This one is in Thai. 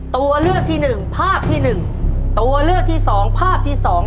ตัวเลือกที่หนึ่งภาพที่หนึ่งตัวเลือกที่สองภาพที่สอง